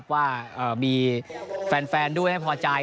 ว่ามีแฟนด้วยให้พอใจ